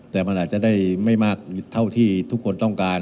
แต่มันอาจจะได้ไม่มากเท่าที่ทุกคนต้องการ